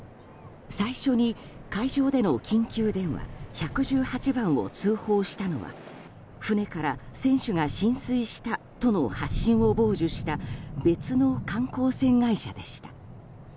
最初に海上での緊急電話１１８番を通報したのは船から船首が浸水したとの発信を傍受した別の観光船会社でした。